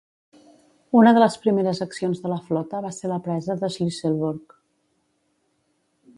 Una de les primeres accions de la flota va ser la presa de Shlisselburg.